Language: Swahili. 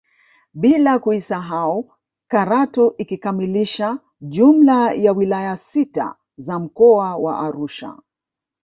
Bila kuisahau Karatu ikikamilisha jumla ya wilaya sita za mkoa wa Arusha